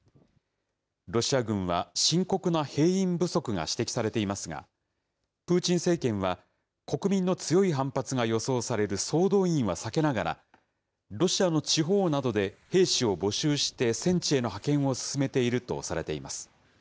ロシア軍は、深刻な兵員不足が指摘されていますが、プーチン政権は国民の強い反発が予想される総動員は避けながら、ロシアの地方などで兵士を募集して戦地への派遣を進めているとされています。